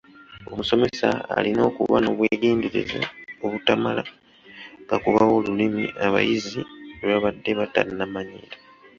Omusomesa alina okuba n’obwegendereza obutamala gakubawo lulimi abayizi lwe babadde batannamanyiira.